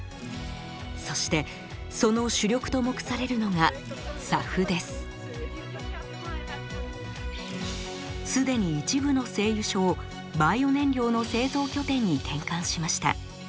そしてその主力と目されるのが既に一部の製油所をバイオ燃料の製造拠点に転換しました。